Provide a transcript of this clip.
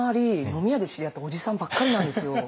飲み屋で知り合ったおじさんばっかりなんですよ。